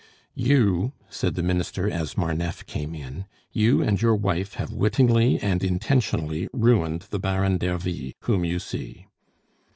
"You," said the Minister as Marneffe came in, "you and your wife have wittingly and intentionally ruined the Baron d'Ervy whom you see."